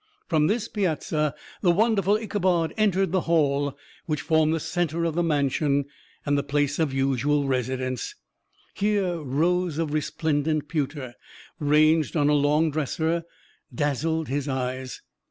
From this piazza the wonderful Ichabod entered the hall, which formed the center of the mansion, and the place of usual residence. Here, rows of resplendent pewter, ranged on a long dresser, dazzled his eyes.